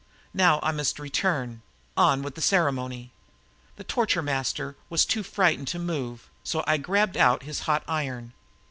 Now I must return on with the ceremony!" The torture master was too frightened to move, so I grabbed out his hot iron.